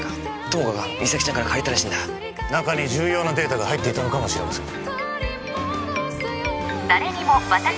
友果が実咲ちゃんから借りたらしいんだ中に重要なデータが入っていたのかもしれません